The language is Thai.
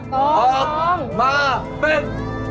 ออกมาเป็น